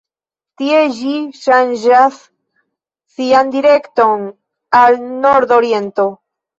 Tie ĝi ŝanĝas sian direkton al nordoriento.